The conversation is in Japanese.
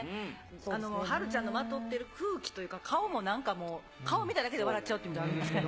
はるちゃんのまとっている空気というか、顔もなんかもう、顔見ただけで笑っちゃうっていうのがあるんですけど。